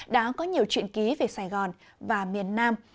đã có nhiều chuyện ký về sài gòn và miền nam